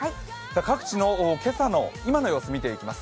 各地の今朝の今の様子見ていきます。